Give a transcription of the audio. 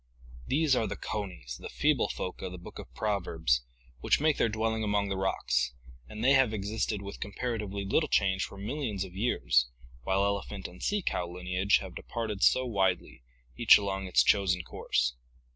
These are the conies, the feeble folk of the book of Proverbs, which make their dwelling among the rocks, and they have existed with compara tively little change for millions of years, while elephant and sea cow lineage have departed so widely, each along its chosen course.